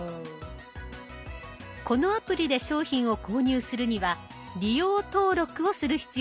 このアプリで商品を購入するには利用登録をする必要があります。